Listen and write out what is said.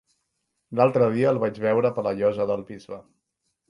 L'altre dia el vaig veure per la Llosa del Bisbe.